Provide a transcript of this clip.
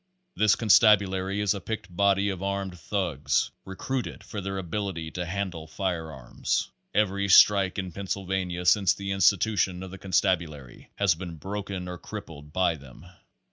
This constabulary is a picked body of armed thugs recruited for their ability to handle fire arms. Every strike in Pennsylvania since the institu tion of the constabulary has been broken or crippled by them.